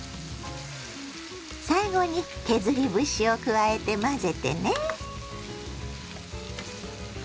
最後に削り節を加えて混ぜてね。